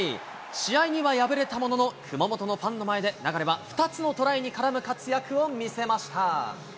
試合には敗れたものの、熊本のファンの前で、流は２つのトライに絡む活躍を見せました。